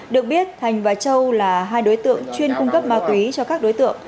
được biết thành và châu là hai đối tượng chuyên cung cấp ma túy cho các đối tượng